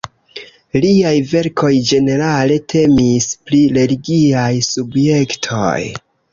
Liaj verkoj ĝenerale temis pri religiaj subjektoj.